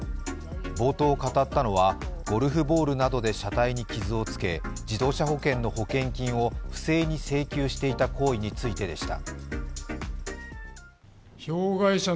冒頭、語ったのはゴルフボールなどで車体に傷をつけ自動車保険の保険金を不正に請求していた行為についてでした。